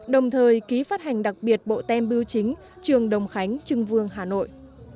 đồng thời ký phát hành đặc biệt bộ tem biêu chính trường đồng khánh trưng vương hà nội